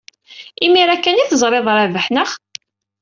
Imir-a kan ay teẓriḍ Rabaḥ, naɣ?